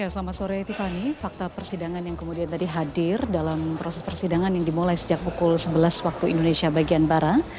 selamat sore tiffany fakta persidangan yang kemudian tadi hadir dalam proses persidangan yang dimulai sejak pukul sebelas waktu indonesia bagian barat